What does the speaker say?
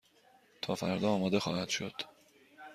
تا فردا آماده خواهد شد.